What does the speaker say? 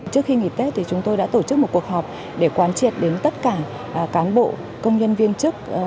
trước khi nghỉ tết thì chúng tôi đã tổ chức một cuộc họp để quan triệt đến tất cả cán bộ công nhân viên chức